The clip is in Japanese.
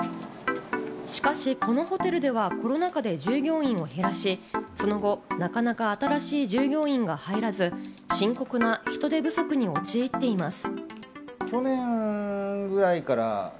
しかし、このホテルではコロナ禍で従業員を減らし、その後、なかなか新しい従業員が入らず、深刻な人手不足に陥っています。